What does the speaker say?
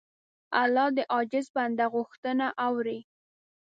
الله د عاجز بنده غوښتنه اوري.